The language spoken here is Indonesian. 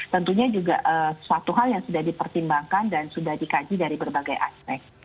tentunya juga suatu hal yang sudah dipertimbangkan dan sudah dikaji dari berbagai aspek